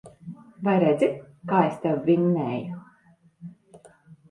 Vai redzi, kā es tevi vinnēju.